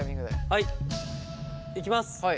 はいいきます。